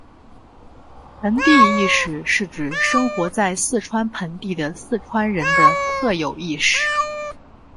盆地意识是指生活在四川盆地的四川人的特有意识。